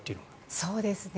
そうですね。